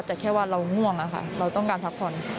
แต่แค่ว่าเราง่วงอะค่ะเราต้องการพักผ่อน